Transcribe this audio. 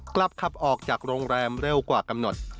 กลับขับออกจากโรงแรมเร็วกว่ากำหนด